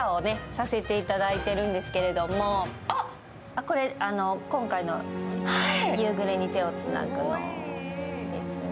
これ今回の「夕暮れに、手をつなぐ」のですね。